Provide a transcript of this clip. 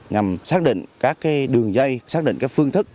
nhằm xác định các đường dây xác định các phương thức